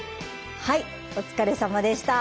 はいお疲れさまでした。